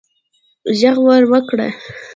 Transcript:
ږغ ور وکړه